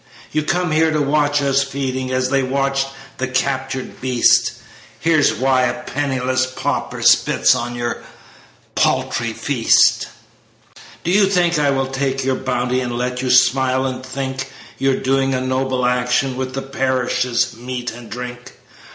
You come here to watch us feeding, As they watch the captured beast. Hear why a penniless pauper Spits on your paltry feast. "Do you think I will take your bounty, And let you smile and think You're doing a noble action With the parish's meat and drink?